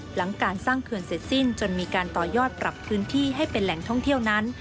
หลังการสร้างเขื่อนเสร็จสิ้นจนมีการต่อยอดปรับพื้นที่ให้เป็นแหล่งท่องเที่ยวนั้น